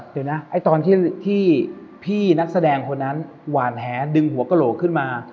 เดี๋ยวนะไอ้ตอนที่พี่นักแสดงคนนั้นหวานแหดึงหัวกระโหลกขึ้นมา